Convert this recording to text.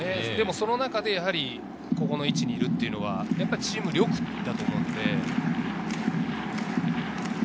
その中でこの位置にいるというのは、チーム力だと思うので。